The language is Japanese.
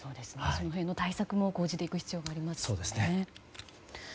その辺の対策も講じていく必要がありますね。